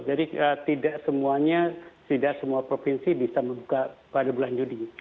jadi tidak semuanya tidak semua provinsi bisa membuka pada bulan juni